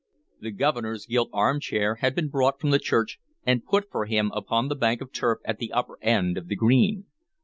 The Governor's gilt armchair had been brought from the church, and put for him upon the bank of turf at the upper end of the green.